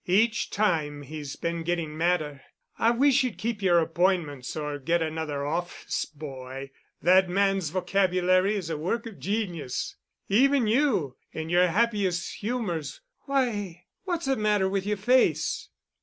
"Each time he's been getting madder. I wish you'd keep your appointments or get another office boy. That man's vocabulary is a work of genius. Even you, in your happiest humors—why, what's the matter with your face?"